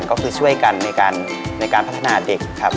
ก็คือช่วยกันในการพัฒนาเด็กครับ